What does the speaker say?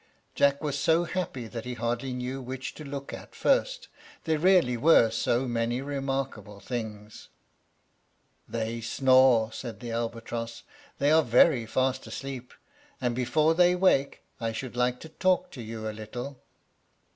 Jack was so happy that he hardly knew which to look at first, there really were so many remarkable things. "They snore," said the albatross, "they are very fast asleep, and before they wake I should like to talk to you a little."